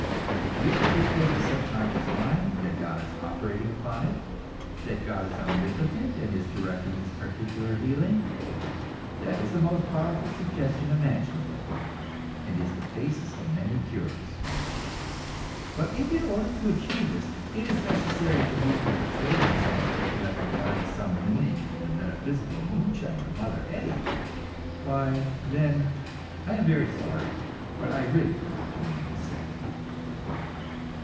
If you can persuade the subconscious mind that God is operating upon it, that God is omnipotent and is directing this particular healing, that is the most powerful suggestion imaginable, and is the basis of many cures. But if in order to achieve this, it is necessary for me to persuade myself that I can find some meaning in the metaphysical moonshine of Mother Eddy why, then, I am very sorry, but I really prefer to remain sick.